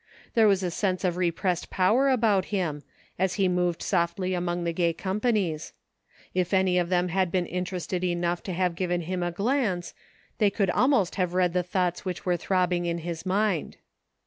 There was a sense of repressed power about him, as he moved softly among the gay companies. If any of them had been interested enough to have given him a glance, they could almost have read the thoughts which were throbbing in his mind.